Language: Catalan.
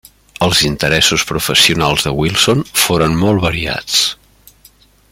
Els interessos professionals de Wilson foren molt variats.